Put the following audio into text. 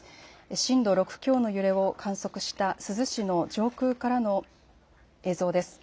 震度６強の揺れを観測した珠洲市の上空からの映像です。